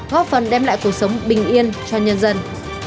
góp phần đem lại cuộc sống bình yên cho nhân dân